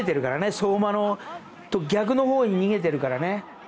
相馬と逆のほうに逃げているからね。